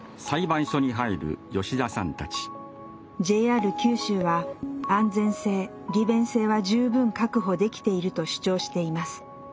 ＪＲ九州は安全性利便性は十分確保できていると主張しています。